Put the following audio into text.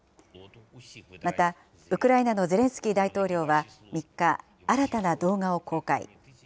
また、ウクライナのゼレンスキー大統領は３日、新たな動画を公開。